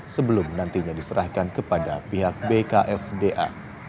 sebelum nantinya diserahkan kepada pihak bksda